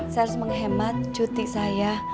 saya harus menghemat cuti saya